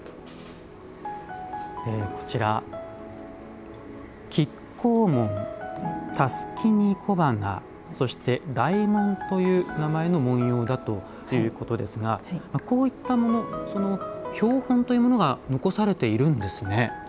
こちら「亀甲文」「襷に小花」そして「雷文」という名前の文様だということですがこういったもの標本というものが残されているんですね。